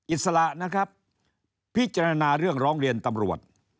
อิสระนะครับพิจารณาเรื่องร้องเรียนตำรวจ